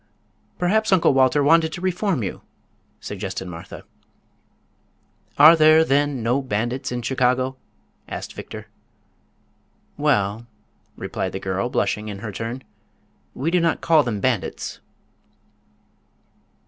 "Perhaps Uncle Walter wanted to reform you," suggested Martha. "Are there, then, no bandits in Chicago?" asked Victor. "Well," replied the girl, blushing in her turn, "we do not call them bandits."